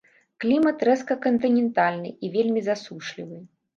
Клімат рэзка-кантынентальны і вельмі засушлівы.